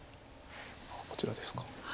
こちらですか。